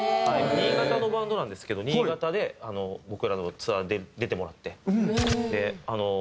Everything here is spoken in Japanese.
新潟のバンドなんですけど新潟で僕らのツアーに出てもらって。